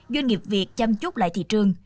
doanh nghiệp việt chăm chút lại thị trường